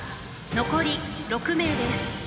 残り６名です。